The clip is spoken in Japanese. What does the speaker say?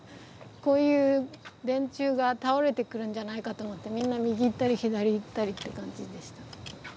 こういう電柱が倒れてくるんじゃないかと思ってみんな右行ったり左行ったりって感じでした。